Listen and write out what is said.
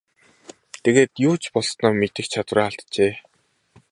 Тэгээд юу ч болсноо мэдэх чадвараа алджээ.